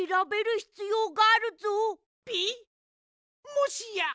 もしや！